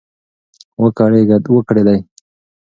و کړېدی .